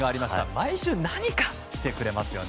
毎週何かしてくれますよね。